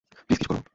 Please কিছু করো!